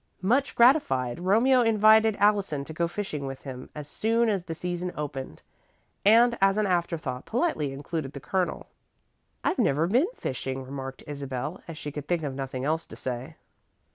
Much gratified, Romeo invited Allison to go fishing with him as soon as the season opened, and, as an afterthought, politely included the Colonel. "I've never been fishing," remarked Isabel, as she could think of nothing else to say.